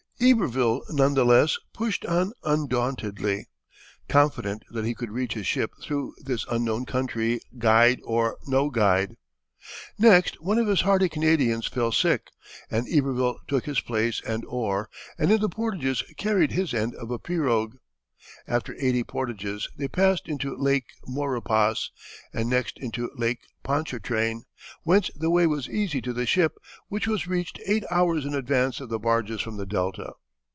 Iberville none the less pushed on undauntedly, confident that he could reach his ship through this unknown country, guide or no guide. Next, one of his hardy Canadians fell sick, and Iberville took his place and oar, and in the portages carried his end of a pirogue. After eighty portages they passed into Lake Maurepas and next into Lake Pontchartrain, whence the way was easy to the ship, which was reached eight hours in advance of the barges from the delta.